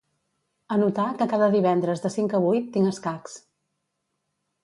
Anotar que cada divendres de cinc a vuit tinc escacs.